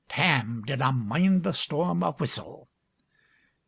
Tam did na mind, the storm a whistle.